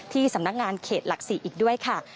สำนักงานเขตหลัก๔อีกด้วยค่ะ